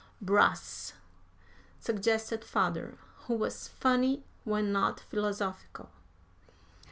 "Brass," suggested father, who was funny when not philosophical.